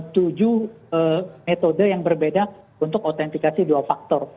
tujuh metode yang berbeda untuk autentikasi dual factor